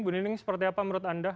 bu nining seperti apa menurut anda